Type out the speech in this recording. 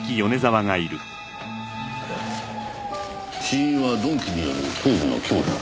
死因は鈍器による頭部の強打。